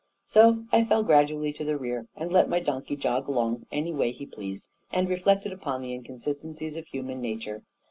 So I fell gradually to the rear, and let my donkey jog along any why he pleased, and reflected upon the inconsistencies of human nature.